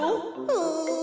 うん。